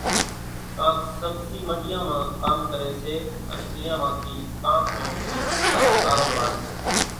ڪانڪ سٻزِي منڍيان مان ڪام ڪريَ سي، انين اينيان مان ٿِي ڪانڪان نون اِي پوتا نو ڪاروڀار سي۔